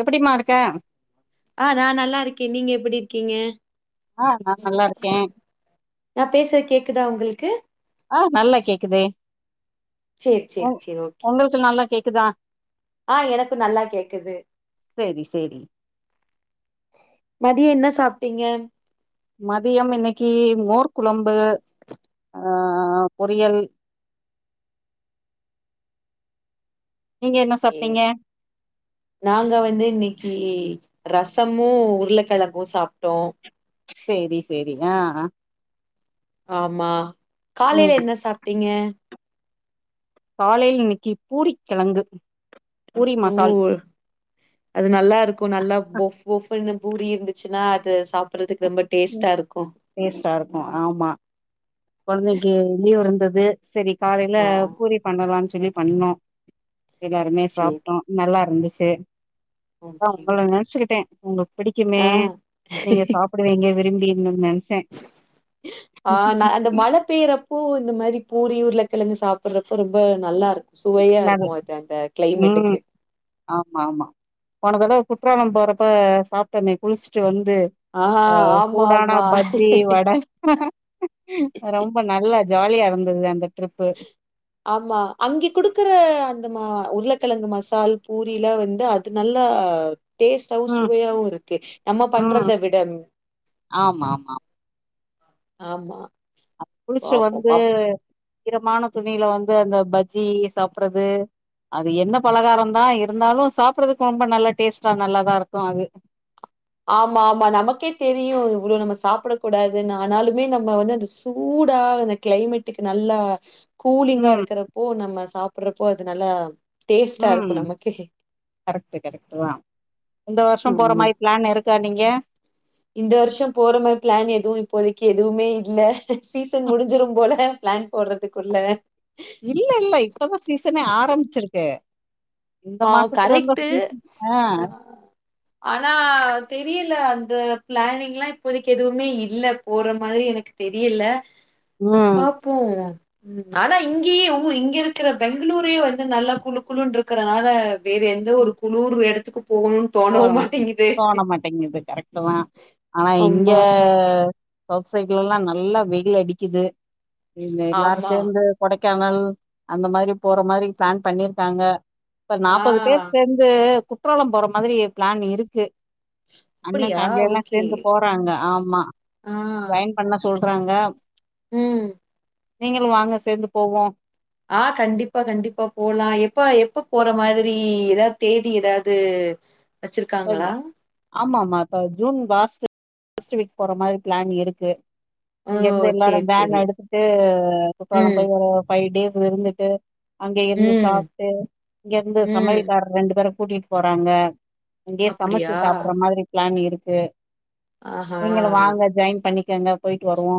எப்டிமா இருக்க ஆ நா நல்லாருக்கே நீங்க எப்டிருக்கீங்க ஆ நா நல்லாருக்கே நா பேசுறது கேக்குதா உங்களுக்கு ஆ நல்லா கேக்குதே சேரி சேரி சேர் ஓகே இப்ப நல்லா கேக்குதா ஆ எனக்கு நல்லா கேக்குது சேரி சேரி மதியோ என்ன சாப்ட்டீங்க மதியம் இன்னைக்கு மோர்க் குழம்பு ஆ பொரியல் [inaudible] நீங்க என்ன கே சாப்ட்டீங்க [inaudible] நாங்க வந்து இன்னைக்கி ரசமு உருளக்கெழங்கு சாப்ட்டோ சேரி சேரி அ அ ஆமா ம் காலையில என்ன சாப்ட்டீங்க காலையில இனைக்கி பூரி கெழங்கு பூரி ஓ மசால் அது நல்லா இருக்குகு நல்லா பொஃப் பொஃப்ன்னு பூரி இருந்துச்சுன்னா அது சாப்பட்றதுக்கு ரொம்ப டேஸ்ட்டா இருக்கு டேஸ்டா இருக்கு ஆமா கொழந்தைக்கு லீவு இருந்தது சேரி காலைல ஆ பூரி பண்ணலான்னு சொல்லி பண்ணோ எல்லாருமே சேரி சாப்ட்டோ நல்லா இருந்துச்சு அப்ப ஓகே உங்கள ஓகே நெனச்சுக்கிட்ட உங்களுக்கு பிடிக்குமே ஆ நீங்க சாப்ப டுவீங்க விரும்பி இன்னன்னு ஆ நா அந்த மழ பெய்றப் போ இந்த மாரி பூரி உருளக்கெழங்கு சாப்படுறப்ப ரொம்ப நல்லா இருக் சுவையா இருக்கு அது அந்த ம் கிளைமேட்டுக்கு ஆமா ஆமா போன தடவ குற்றாலோ போறப்ப சாப்ட்டோமே குளிச்சுட்டு வந்து ஆ அ ஆமா சூடான ஆமா பஜ்ஜி வட ரொம்ப நல்ல ஜாலியா இருந்தது அந்த ட்ரிப்பு [inaudible] ஆமா அங்கே குடுக்குற அந்த மா உருளக்கெழங்கு மசால் பூரியிலா வந்து அது நல்லா டேஸ்டாவு ம் சுவையாவு இருக்கு நம்ம ம் பண்றத விட ஆமா ஆமா ஆமா அப் குளிச்சு பாப்போ வந்து பாப் ஈரமான துணியில வந்து அந்த பஜ்ஜி சாப்பறது அது எண்ண பலகாரந்தா இருந்தாலு சாப்பறதுக்கு ரொம்ப நல்ல டேஸ்ட்டா நல்லாதா இருக்கு அது ஆமா ஆமா நமக்கே தெரியு இவ்ளோ நம்ம சாப்பட கூடாதுன்னு ஆனாலுமே நம்ம வந்து அந்த சூடா அந்த கிளைமேட்டுக்கு நல்லா கூலிங்கா ம் இருக்கறப்போ நம்ம சாப்படுறப்போ அது நல்லா டேஸ்ட்டா ம் இருக்கும் நமக்கே. கரெக்ட்டு கரெக்ட்டு தா இந்த வருஷோ போற ஆமா. மாரி பிளான் இருக் கா நீங்க இந்த வருஷம் போற மாரி பிளான் எதுவு இப்போதைக்கு எதுவுமே இல்ல சீசன் முடிஞ்சிரும் போல பிளான் போடுறதுக்குள்ள இல்ல இல்ல இப்பதா சீசனே ஆரம்பிச்சிருக்கு இந்த ஆ மாசத்துல இருந்தா கரெக்ட்டு. சீசன் ஆ ஆனா தெரியல அந்த பிளானிங்ல்லா இப்போதைக்கு எதுவுமே இல்ல போற மாரி எனக்கு தெரியல ம் பாப் போ ம் ஆனா இங்கேயே ஊ இங்க இருக்கற பெங்களூரே வந்து நல்ல குழு குழுன்ருக் கறனால வேற எந்த ஒரு குளூர் எடத்துக்கு போகணுன் தோ தோண மாட்டேங்குது கரெக்ட்டு தா ஆனா இங்க ஆமா. சவுத் சைட்லல்லா நல்லா வெயில் அடிக்குது ம் எல்லாரு ஆமா. சேர்ந்து கொடைக்கானல் அந்த மாரி போற மாரி பிளான் பண்ணிருக்காங்க இப்ப ஆ நாப்பது பேர் சேந்த் து குற்றாலம் போற மாதிரி பிளான் இருக்கு அண்ண அப்படியா? ஃபேமிலிய எல்லா ஓகே. சேந்து போறாங்க ஆமா ஆ. ஜாயின் பண்ண சொல்றாங்க ம் நீங்களும் வாங்க சேந்து போவோ ஆ கண்டிப்பா கண்டிப்பா போலா எப்ப எப்ப போற மாதிரி ஏதாவ்து தேதி ஏதாவ்து வச்சிருக்காங்களா ஆமாம்மா இப்ப ஜூன் லாஸ்ட்டு ஸ்ட்டு வீக் போற மாதிரி பிளான் இருக்கு ஓ! இங்க இருந்து சரி, எல்லாரும் வேன் சரி. எடுத்துட்டு குற்றாலம் ம், போய் ஒரு ஃபை டேஸ் இருந்துட்டு அங்க இருந்து ம், சாப்ட்டு இங்க இருந்து ம். சமையலக்கார ரெண்டு பேர கூட்டிட்டு போறாங்க அங்கயே அப்படியா? சமைச்சு சாப்புட்ற மாதிரி பிளான் இருக்கு நீங்களு ஆஹா! வாங்க ஜாயின் பண்ணிக் கேங்க போயிட்டு வருவோ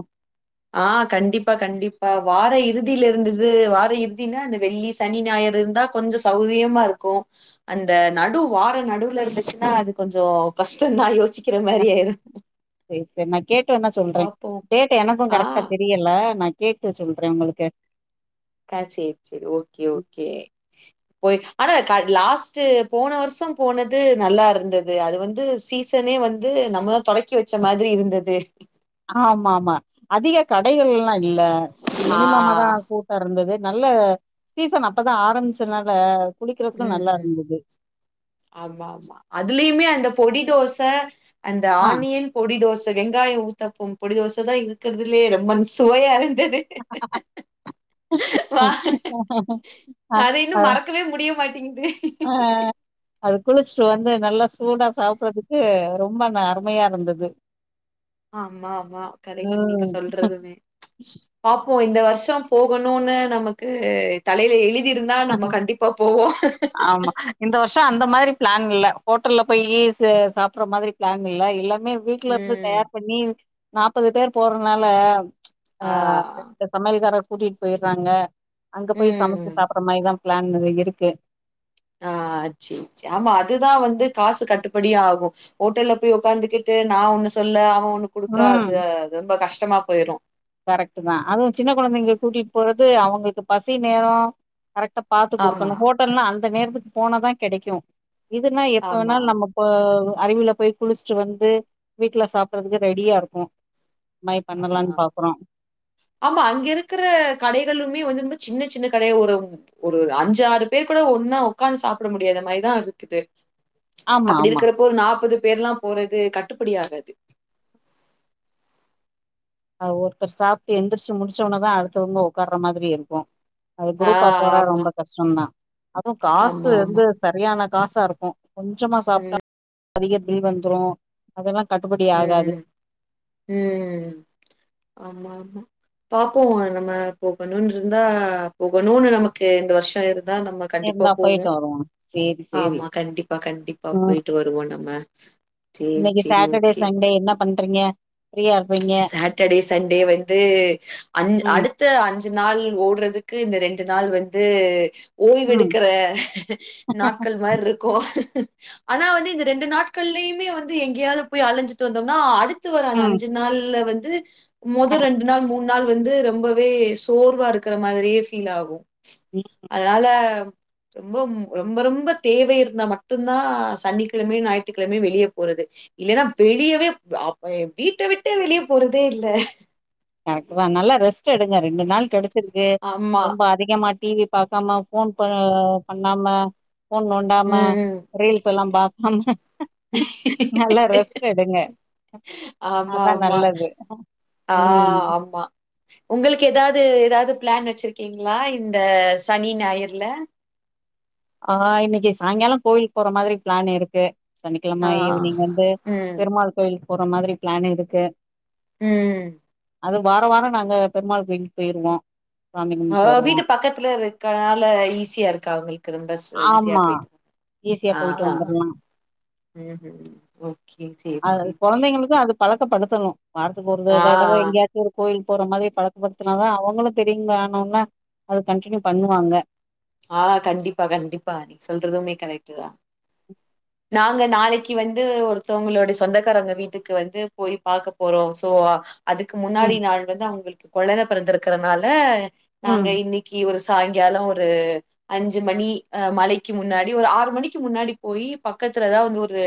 ஆ கண்டிப்பா கண்டிப்பா வார இறுதியில இருந்துது வார இறுதினா அந்த வெள்ளி சனி ஞாயிறு இருந்தா கொஞ்ச சௌரியமா இருக்கும் அந்த நடு வார நடுவுல இருந்துச்சுன்னா அது கொஞ்சோ கஷ்டோந் தா யோசிக் அ சேரி சேரி நா கேட்டு வேண்னா சொல்றே பாப்போம். கேட் டு எனக்கும் ஆ கரெக்டா தெரியல நா கேட்டு சொல்றேன் உங்களுக்கு ஆ சேரி சேரி ஓகே ஓகே போய் ஆனா காட் லாஸ்ட்டு போன வருஷம் போனது நல்லா இருந்துத் து வந்து சீசனே வந்து நம்மதா தொடக்கி வெச்ச மாதிரி இருந்தது ஆமா ஆமா அதிக கடைகள்ல்லா இல்ல ஆ. மினிமமாதா கூ டோ இருந்தது நல்ல சீசன் அப்பதா ஆரம்பிச்சதுனால ம் ம் ஆமா ஆமா அதுலயுமே அந்த பொடி தோச அந்த ஆ ஆணியன் பொடி தோச வெங்காயம் ஊத்தாப்பம் பொடி தோச தா இருக்கறதுலே ரொம்பன் சுவையா இருந்தது வா ஆ ஆ துவே முடிய மாட்டிங்குது ஆ அது குளிச்சுட்டு வந்து நல்லா சூடா சாப்புட்றதுக்கு ரொ ம்ப ந அருமையா இருந்தது ஆமா ஆமா கரெக்ட்டு நீங்க ம் சொல்றதுமே பாப்போ இந்த வருஷோம் போகணுன்னு நமக்கு தலையில எழுதிருந்தா நம்ம கண்டிப்பா போவோ ஆமா. இந்த வருஷோ அந்த மாதிரி பிளான் இல்ல ஹோட்டல்ல போய் சு சாப்புட்ற மாதிரி பிளான் இல்ல எல்லா மே வீட்ல இருந்து ம் தயார் பண்ணி நாபது பேர் போறதுனால ஆ [unintelligible] சமையல்கார கூட்டிட் போயிட்றாங்க அங்க போய் சமைச்சு ம் சாப்புட்ற மாரிதான் பிளான் இது இருக்கு ஆ சே சே ஆமா அதுதா வந்து காசு கட்டுப்படி ஆகும் ஹோட்டல்ல போய் உக்காந்துகிட்டு நான் ஒண்ணு சொல்ல அவன் ஒண்ணு குடுக்க ம். அது அது ரொம்ப கஷ்டமா போயிரும் கரெக்ட்டு தா அதுவும் சின்ன கொழந்தைங்க கூட்டிட் போறது அவங்களுக்கு பசி நேரோ கரெக்டா பாத்து ஆமா, குடுக்கணும் ஹோட்டல்ன்னா அந்த நேரத்துக்கு போனா தான் கெடைக்கும் இதுன்னா எப்ப ஆமா. வேணாலும் நம்மப் ப்ப வு அருவில போய் குளிச்சுட்டு வந்து வீட்ல சாப்புட்றதுக்கு ரெடியா இருக்கும் இது மாரி ஆ பண்ணலான்னு பாக்குறோம். ஆமா அங்க இருக்குற கடைகள்ளுமே வந்து ரொம்ப சின்ன சின்ன கடையா [unintelligible] ஒரு அஞ்சாறு பேர் கூட ஒன்னா உக்காந்து சாப்புட முடியாத மாரிதா இருக்குது ஆமா, அப்புடி ஆமா. இருக்கிறப்போ நாப்பது பேர்ல்லா போறது கட்டுப்படி ஆகாது அது ஒருத்தர் சாப்ட்டு எத்திரிச்சி முடிச்சோனதா அடுத்தவுங்க ஒக்கார மாதிரி இருக்கோ அது ஆ குரூப்பா போறா ஆமா, ரொம்ப கஷ்டோந்தா அதுவு காசு ஆமா, ஆமா. வந்து சரியான காசா இருக்கோ கொஞ்சமா சாப்ட்டா ம், அதிக பில் வந்துரோ அதுல்லா கட்டுபடி ஆகாது ம், ம் ஆமா ஆமா பாப்போ நம்ம போகணோனு இருந்தா போகணோனு நமக்கு இந்த வர்ஷோ இருந்தா நம்ம கண்டிப்பா இருந்தா போவோ போயிட்டு வருவோ சேரி சேரி ஆமா கண்டிப்பா கண்டிப்பா ம் போயிட்டு வ ருவோ நம்ம சேரி இன்னைக்கு சேரிங்க சாட்டர்டே சண்டே இன்னா பண்றீங்க ஃப்ரீயா இருப்பீங்க சாட்டர்டே சண்டே வந்து அஞ் ம் அடு த்த அஞ்சு நாள் ஓடுறதுக்கு இந்த ரெண்டு நாள் வந்து ம் ஓய்வெடுக்குற நாட்கள் மாரி இருக்கோ ஆனா வந்து இந்த ரெண்டு நாட்கள்லயுமே வந்து எங்கயாவது போய் அலஞ்சிட்டு வந்தோம்னா அடுத்து வர ம் அஞ்சு நாள்ல வந்து மொத ரெண்டு நாள் மூ ணு நாள் வந்து ரொம்பவே சோர்வா இருக்குற மாதிரியே ஃபீல் ஆகோ ம் அதால ரொம்ப ரொம்ப ரொம்ப தேவை இருந்தா மட்டுந்தா சனிக்கெழமயு ஞாயித்துக்கெழமையு வெளியே போறது இல்லன்னா வெளியவே அப்ப வீட்ட விட்டு வெளியே போறதே இல்ல கரெக்ட்டுதா நல்லா ரெஸ்ட் எடுங்க ரெண்டு நாள் கெடச்சிருக்கு ஆமா. ரொம்ப அதிகமா டி வி பாக்காம ஃபோன் ப பண்ணாம ஃபோன் நோண்டாம ம். ரீல்ஸ் எல்லா பாக்காம நல்லா ரெஸ்ட் எடுங்க ஆமா அதா ஆமா. நல்லது ஆ ம். ஆமா உங்களுக்கு எதாவது எதாவது பிளான் வெச்சிருக்கீங்களா இந்த சனி ஞாயிறுல ஆ இன்னக்கி சாய்ங்காலோ கோயிலுக்கு போற மாதிரி பிளான் இருக்கு ஆ. சனிக்கெழம ஈவினிங் வந்து ம். பெருமாள் கோயிலுக்கு போற மாதிரி பிளான் இருக்கு ம் அது வாரோ வாரோ நாங்க பெருமாள் கோயிலுக்கு போயிருவோ அவ வீட்டு பக்கத்துல இருக்கறதுனால ஈஸியா இருக்கா அவுங்குளுக்கு க்கிற பஸ் ஈஸியா ஆமா. போய்ட்டு ஈஸியா ஆ போயிட்டு ஆ வந்துரலாம். ம் ம் ஓகே செர் சேரி பழக்கப்படுத்தணோ வாரத்துக்கு ஒரு தடவ எங்கயாது ஒரு கோவில்க்கு போற மாதிரி பழக்கப்படுத்துனாதா அவுங்களு பெரியவங்க ஆன ஒன்னே அது கன்டினியூ பண்ணுவாங்க ஆ கண்டிப்பா கண்டிப்பா நீ சொல்றதுமே கரெக்ட்டு தா நாங்க நாளைக்கி வந்து ஒருத்தவங்களோடய சொந்தக்காரவங்க வீட்டுக்கு வந்து போய் பாக்க போறோ சோ அதுக்கு முன்னாடி ம், நாள் வந்து அவுங்குளுக்கு கொழந்த பொறந்திருக்கறனால நாங்க ம், இன்னிக் கி ஒரு சாய்ங்காலோ ஒரு அஞ்சு மணி அ மலைக்கி முன்னாடி ஒரு ஆறு மணிக்கி முன்னாடி போயி பக்கத்துலதா வந்து ஒரு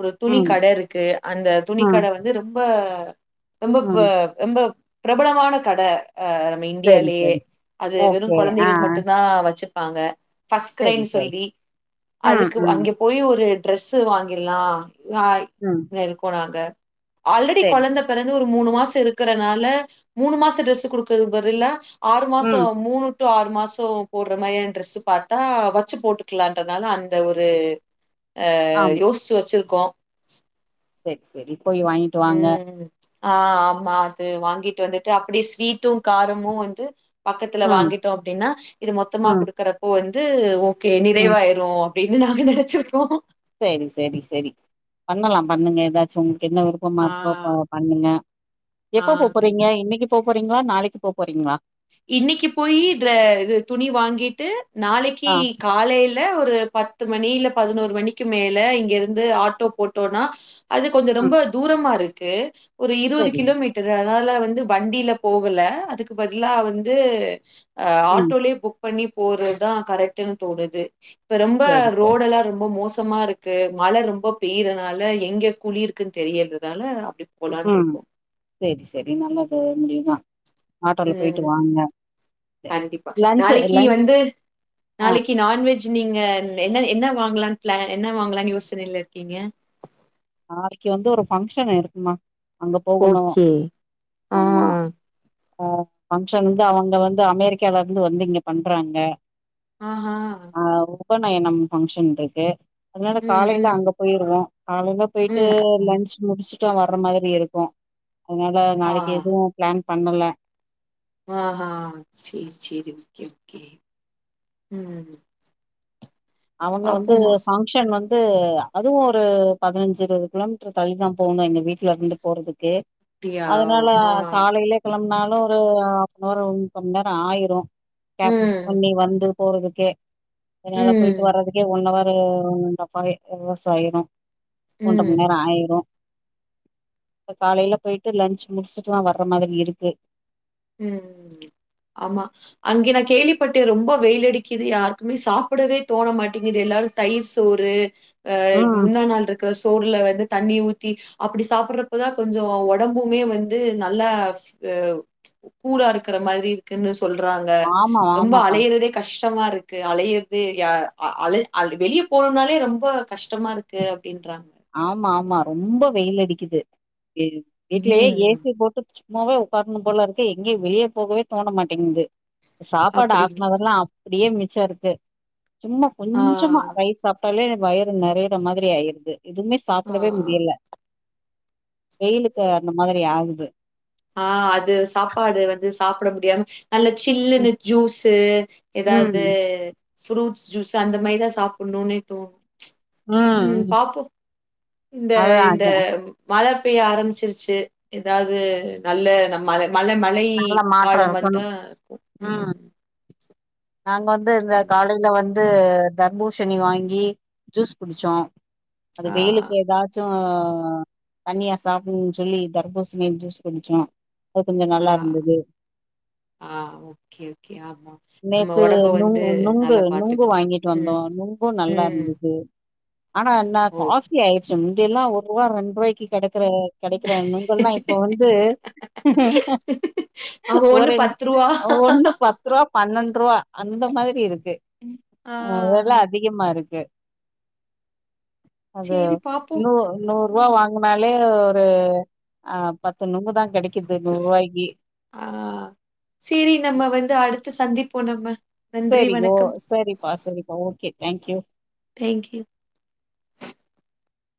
ஒரு துணி ம், கடை இருக்கு அந்த துணி ம், கடை வந்து ரொம்ப ரொம்ப ப ம். ரொம்ப பிரபலமான கட ஆ நம்ம சரி, இண்டியாலயே சரி. அது வெறு ஓகே. ஆ. கொழந்தைகளுக்கு மட்டு ந்தா ஆ வெச்சிருப்பாங்க ஃபஸ்ட்டு சரி, க்ரைம் சரி. சொல்லி ம், அதுக்கு ம். அங்க போயி ஒரு ட்ரெஸ்சு வாங்கில்லா நா ம் இருக்குனாங்க ஆல்ரெடி சரி கொழந்த சரி பெறந்து ஒரு மூணு மாசொ இருக்குறனால மூணு மாசொ ட்ரெஸ்ஸு குடுக்குறதுக்கு பதிலா ஆறு மாசோ ம் மூணு டு ஆறு மாஸ் சோ போட்ற மாரியான் ட்ரெஸ்ஸு பாத்தா வச்சு போட்டுக்லான்றனால அந்த ஒரு ஆ ஆமா லூஸ்சு வச்சிருக்கோ செர் செரி போய் வாய்ன்ட்டு வாங்க ம் ஆ ஆமா அது வாங்கிட்டு வந்துட்டு அப்டியே ஸ்வீட்டு காரமு வந்து பக்கத்துல ம் வாங்கிட்டோ அப்டினா இது மொத்தமா ம் குடுக்குறப்போ வந்து ஓகே ம் நிறைவாய்ரு அப்டினு நாங்க நெனச்சிருக்கோ சேரி சேரி சேரி பண்ணலா பண்ணுங்க ஏதாச்சு என்ன விருப்பமா ஆ இர்க்கோ ப பண்ணுங்க ஆ எப்பொ போ கண் போறீங்க இன்னக்கிப் போப் போறீங்ளா நாளைக்கு போப் போறீங்ளா இன்னக்கி போயி ட்ர இது துணி வாங்கிட்டு நாளக்கி ஆ காலைல ஒரு பத்து மணி இல்ல பதினோர் மணிக்கி மேல இங்கேர்ந்து ஆட்டோ போட்டோன்னா அது கொஞ்சொ ம் ரொம்போ தூரமா இருக்கு ஒரு இருவது சரி கிலோமீட் டரு அதனால வந்து வண்டில போகல அதுக்கு பதிலா வந்து ஆ ம் ஆட்டோலயே புக் பண்ணி போறத்தா கரெக்ட்டுன் தோணுது இப்ப ரொம்ப சரி சரி ரோடல்லா ரொம்ப மோசமா இருக் கு மழ ரொம்போ பெய்றனால எங்கெ குழி இருக்குன் தெரியற்துனால அப்டி ம் போலான்ருக்கோம். சேரி சேரி நல்லது முடியுதா ஆட்டோல போயிட்டு ம். வாங்க கண்டிப்பா லன்ச்சு நாளக்கி லன் வந்து ஆ நாளக்கி நான்வெஜ் நீங்க ன் என்ன என்ன வாங்லான் ப்ளான் என்ன வாங்லான் யோசனைல இருக்கீங்க நாளக்கி வந்து ஒரு ஃபங்க்ஷன் இருக்குமா அங்க போகுணு ஓகே ஆ. ஆமா அ பங்க்ஷன் வந்து அவங்க வந்து அமெரிக்காலர்ந்து வந்து இங்கெ பண்றாங்க ஆஹ ஆ உபநயனம் பங்க்ஷன்ருக்கு அதனால ம் காலைல ம் அங்க போய்ருவோ காலைல பொயிட்டு ம். ம். லன்ச் முடிச்சுட்டா வர்ற மாரி இருக்கு அத்னால ஆ நாளக்கி எதுவு ப்ளான் பண்ணல ஆ ஹா சேர் சேரி ஓகே ஓகே ம் அவங்க வந்து பாப்போமா ஃபங் க்ஷன் வந்து அதுவு ஒரு பதுனஞ்சு இருவது கிலோமீட்ரு தள்ளிதா போணு எங்க வீட்லேர்ந்து போறதுக்கு அப்டியா அதுனால ஆ காலைலே கெளம்னாலு ஒரு ஆஃப்னவரு ஒர் முக்காமண்நேரொ ஆயிரு கேப் புக் ம் பண்ணி வந்து போறதுக்கே அதுனால போய் ம் ஒன்னவரு டப்பாவே ஒரு வர்ஷோ ஆய்ரு ஒன்ர ம் மண்நேரொ ஆயிரு இப்ப காலைல பொய்ட்டு லஞ்ச் முடிச்சிட்டு தா வர்ற மாதிரி இருக்கு ம் ம் ம் ஆமா அங்கே நா கேள்விப்பட்டே ரொம்பொ வெயிலடிக்கிது யாருக்குமே சாப்புடவே தோண மாட்டேங்கிது எல்லாரு தயிர் சோறு ஆ ம். முன்ன நாள் இருக்ற சோறுல வந்து தண்ணி ஊத் தி அப்டி சாப்புர்றப்பதா கொஞ்சோ ஒடம்புமே வந்து நல்லா ஃப் ஆ கூலா இருக்குற மாரி இருக்குனு சொல்றாங்க ஆமா, ரொம்பொ ஆமாப்பா. அலைறதே கஷ்டமா இருக்கு அலயர்தே ய அ அல அ வெளிய போனுன்னாலே ரொம்போ கஷ்டமா இருக் கு அப்டின்றாங் ஆமா ஆமா ரொம்போ வெயிலடிக்கிது லில் வீட்லயே ம் ஏசி போட்டு சும்மாவே ஒக்கார்ணு போல இருக்கு எங்கயு வெளிய போகவே தோண மாட்டேங்கிது சாப்பாடு அப்டிங் ஆக்குனதெல்லா அப் அப்டியே மிச்ச இருக்கு சும்மா ஆ கொஞ்சமா ரைஸ் சாப் ட்டாலே வயிறு நெறையிற மாரி ஆயிருது எதுவுமே ஆ சாப்டவே முடியல வெயிலுக்கு அந்த மாதிரி ஆகுது ஆ அது சாப்பாடு வந்து சாப்ட முடியாம நல்ல சில்லன்னு ம், ஜூஸு எதாவுது ம், ஃப்ரூட்ஸ் ஜூஸ் அந்த மாரிதா சாப்புணுனே தோனு ம் பாப்போ இந்த அதான் இந்த அதான். மழ பெய்ய ஆரம்பிச்சிருச்சு எதாது நல்ல நம்ம மழ மழ மழை நல்ல மாற்றம் காலம் வந்தா இருக்கணும். ம் நாங்க வந்து இந்த ஆமா. காலையில வந்து தர்பூஷணி வாங்கி ஜூஸ் குடிச்சோ அது ஆ, வெயிலுக்கு எதா ச்சு தனியா சாப்புன்னு சொல்லி தர்பூசனி ஜூஸ் குடிச்சோ அது கொஞ்சோ ஆ, நல்லா இருந்துது ஆ ஓகே ஓகே ஆமா நம்ம நேத்து உடம்ப நுங் வந்து நுங்கு நல்லா நுங்கு பார்த்துக்கணும். வாங்கிட்டு வந்தோ ம், நுங்கு நல்லா ம். இருந்துது ஆனா என்ன ஓ! காஸ்ட்லி ஆயிடுச்சு முந்தியெல்லா ஒருவா ரெண்டு ரூவாய்க்கு கெடைக்ற கெடைக்கிற நுங்கெல்லா இப்ப வந்து அவன் ஒண்ணு ரூ. ஒரெண் ஒன்னு பத் பத்துருவா பன்னெண்டுருவா அந்த மாதிரி இருக்கு ஆ வெல அதிகமா இருக்கு அது சரி பார்ப்போம். நூ நூரூவா ம். வாங் குனாலே ஒரு ஆ பத்து நுங்கு தா கெடைக்குது சரி. நூரூவாய்க்கு ஆ செரி நம்ம வந்து அடுத்து சந்திப்போ நம்ம நன்றி, செரிகோ வணக்கம். செரிப்பா செரிப்பா ஓகே தேங்க்யூ தேங்க் யூ